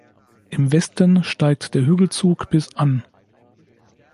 Im Westen steigt der Hügelzug bis an.